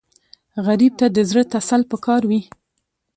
غریب ته د زړه تسل پکار وي